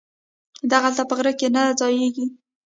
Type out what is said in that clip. دغله په غره کی نه ځاييږي